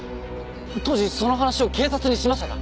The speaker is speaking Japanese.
当時その話を警察にしましたか？